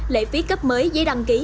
lệ phí cấp mới giấy đăng ký